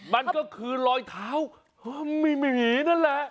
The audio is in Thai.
มันก็คือรอยเท้าไม่มีนั่นแหละ